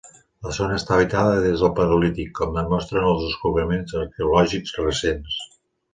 La zona està habitada des del paleolític, com demostren els descobriments arqueològics recents.